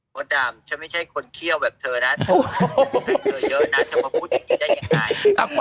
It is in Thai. โบ๊ทดามฉันไม่ใช่คนเขี้ยวแบบเธอนะเธอเยอะนะถ้ามาพูดจริงได้ยังไง